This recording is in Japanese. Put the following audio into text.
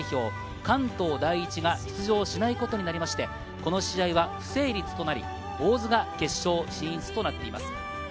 ・関東第一が出場しないことになりまして、この試合は不成立となり、大津が決勝進出となっています。